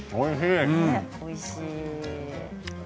おいしい。